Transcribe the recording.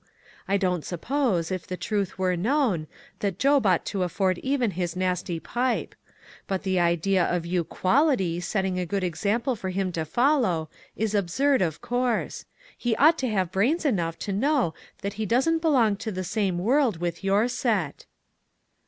I don't sup pose, if the truth were known, that Job ought to afford even his nasty pipe ; but the idea of you ' quality ' setting a good example for him to follow, is absurd, of course. He ought to have brains enough to know that he doesn't belong to the same world with your set."